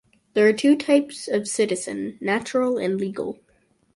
There are two types of citizen: natural and legal.